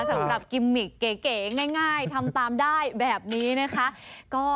สำหรับกิมมิกเก๋ง่ายทำตามได้แบบนี้นะคะ